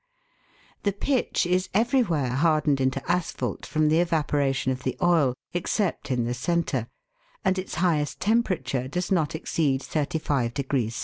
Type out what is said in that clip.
191 The pitch is everywhere hardened into asphalt from the evaporation of the oil, except in the centre, and its highest temperature does not exceed 35 C.